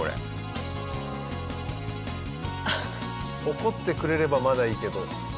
怒ってくれればまだいいけど。